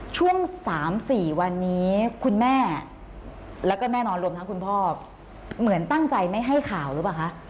ช่วง๓๔วันนี้คุณแม่แล้วก็แน่นอนรวมทั้งคุณพ่อเหมือนตั้งใจไม่ให้ข่าวหรือเปล่าคะ